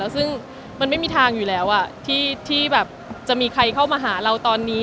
ซึ่งมันไม่มีทางอยู่แล้วที่แบบจะมีใครเข้ามาหาเราตอนนี้